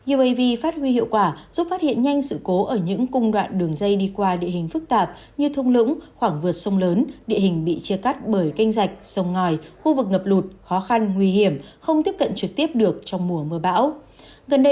uav phát huy hiệu quả giúp phát hiện nhanh sự cố ở những cung đoạn đường dây đi qua địa hình phức tạp như thông lũng khoảng vượt sông lớn địa hình bị chia cắt bởi canh rạch sông ngòi khu vực ngập lụt khó khăn nguy hiểm không tiếp cận trực tiếp được trong mùa mưa bão